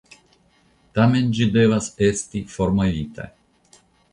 Tamen ĝi devas esti formovita.